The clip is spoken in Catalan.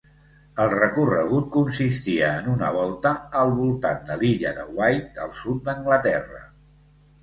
El recorregut consistia en una volta al voltant de l'Illa de Wight, al sud d'Anglaterra.